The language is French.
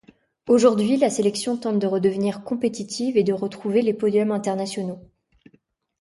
Aujourd'hui, la sélection tente de redevenir compétitive et de retrouver les podiums internationaux.